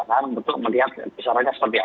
dan untuk melihat besarnya seperti apa